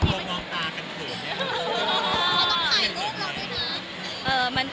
เพราะว่าต้องขายรูปเล่าแม่ง